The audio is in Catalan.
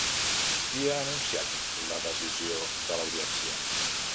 Qui ha anunciat la decisió de l'Audiència?